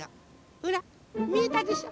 ほらみえたでしょ。